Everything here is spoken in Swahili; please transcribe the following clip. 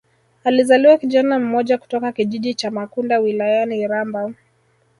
Alizaliwa kijana mmoja kutoka kijiji cha Makunda wilayani Iramba